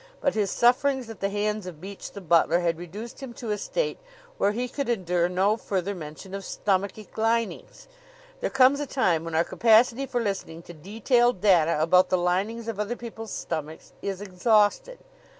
But his sufferings at the hands of Beach, the butler, had reduced him to a state where he could endure no further mention of stomachic linings. There comes a time when our capacity for listening to detailed data about the linings of other people's stomachs is exhausted.